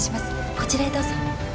こちらへどうぞ。